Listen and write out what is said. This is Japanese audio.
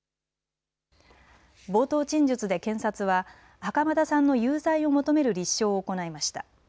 冒頭陳述で、検察は袴田さんの有罪を求める立証を行いました。